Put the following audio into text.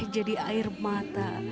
jadi air mata